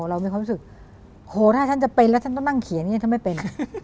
เรามีความรู้สึกโหถ้าฉันจะเป็นแล้วฉันต้องนั่งเขียนอย่างนี้ฉันไม่เป็น